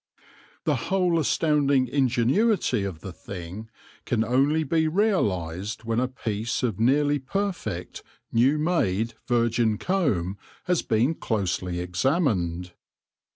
The whole astounding ingenuity of the thing can only be realised when a piece of nearly perfect, new made, virgin comb has been closely examined.